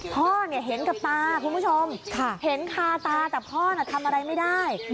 พ่อเห็นกับตาคุณผู้ชมเห็นคาตาแต่พ่อน่ะทำอะไรไม่ได้